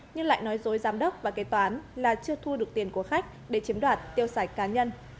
nhưng lại nói dối giám đốc và kế toán là chưa thu được tiền của khách để chiếm đoạt tiêu xài cá nhân